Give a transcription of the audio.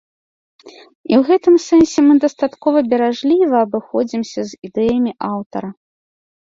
І ў гэтым сэнсе мы дастаткова беражліва абыходзімся з ідэямі аўтара.